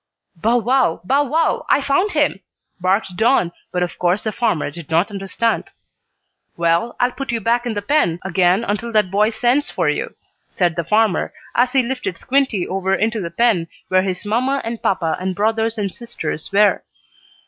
"Bow wow! Bow wow! I found him," barked Don, but of course the farmer did not understand. "Well, I'll put you back in the pen again until that boy sends for you," said the farmer, as he lifted Squinty over into the pen where his mamma and papa and brothers and sisters were.